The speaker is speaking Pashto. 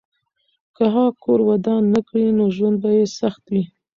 که هغه کور ودان نه کړي، نو ژوند به یې سخت وي.